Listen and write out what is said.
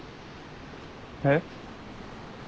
えっ？